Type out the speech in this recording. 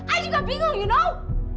ayo juga bingung you know